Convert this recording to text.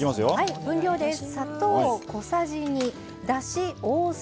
分量です。